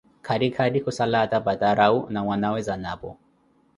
Khari khari khusala áta patarawu, mannawe Zanapo.